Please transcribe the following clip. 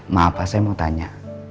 maaf pak saya mau tanya